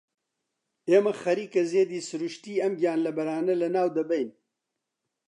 ئێمە خەریکە زێدی سروشتیی ئەم گیانلەبەرانە لەناو دەبەین.